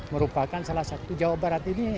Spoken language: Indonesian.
merupakan salah satu jawa barat ini